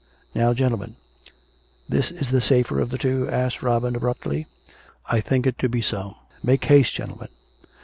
Now, gentlemen "" This is the safer of the two.^ " asked Robin abruptly. " I think it to be so. Make haste, gentlemen."